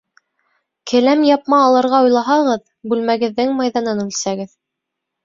Келәм япма алырға уйлаһағыҙ, бүлмәгеҙҙең майҙанын үлсәгеҙ.